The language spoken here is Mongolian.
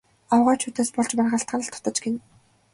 Авгайчуудаас болж маргалдах л дутаж гэнэ.